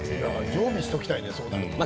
常備しておきたいね。